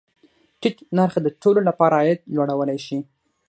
ټیټ نرخ د ټولو له پاره عاید لوړولی شي.